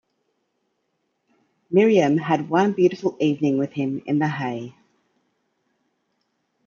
Miriam had one beautiful evening with him in the hay.